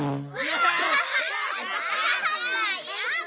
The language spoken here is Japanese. やだ！